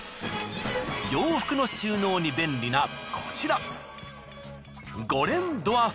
洋服の収納に便利なこちら。